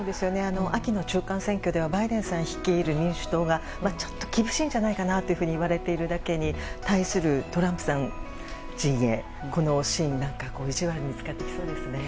秋の中間選挙ではバイデンさん率いる民主党がちょっと厳しいんじゃないかといわれているだけに対するトランプさん陣営このシーンなんかいじわるに使ってきそうですね。